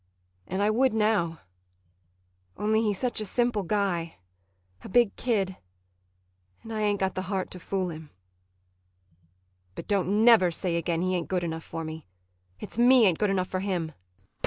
And I would now only he's such a simple guy a big kid and I ain't got the heart to fool him. [She breaks off suddenly.] But don't never say again he ain't good enough for me. It's me ain't good enough for him.